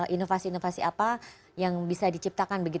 inovasi inovasi apa yang bisa diciptakan